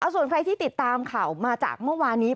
ส่วนใครที่ติดตามข่าวมาจากเมื่อวานี้